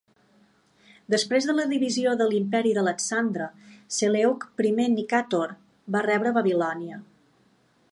Després de la divisió de l'imperi d'Alexandre, Seleuc Primer Nicàtor va rebre Babilònia.